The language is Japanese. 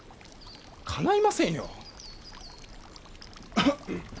かないませんよ。